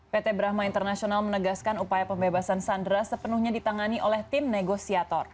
pt brahma international menegaskan upaya pembebasan sandera sepenuhnya ditangani oleh tim negosiator